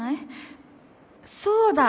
そうだ！